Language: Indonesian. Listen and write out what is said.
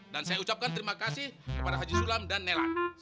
dan saya ucapkan terima kasih kepada haji sulam dan nelan